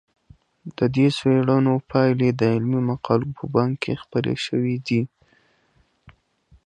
د دې څېړنو پایلې د علمي مقالو په بانک کې خپرې شوي دي.